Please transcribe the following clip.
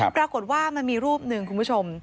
ปรากฏว่ามันมีรูปหนึ่งคุณผู้ชม